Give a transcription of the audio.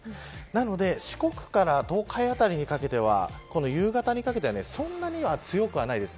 なので四国から東海辺りにかけては夕方にかけてはそんなには強くはないです。